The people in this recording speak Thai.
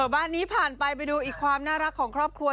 บ้านนี้ผ่านไปไปดูอีกความน่ารักของครอบครัว